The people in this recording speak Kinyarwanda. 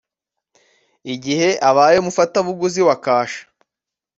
Igihe ubaye umufatabuguzi wa Kasha